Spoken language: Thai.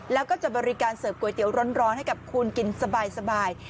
แล้วก็จะบริการเสิร์ฟก๋วยเตี๋ยวร้อนให้กับคุณกินสบาย